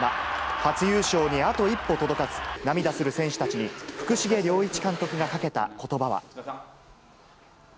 初優勝にあと一歩届かず、涙する選手たちに福重良一監督がかけたことばは。